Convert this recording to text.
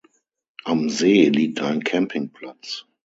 Am See liegt ein Campingplatz.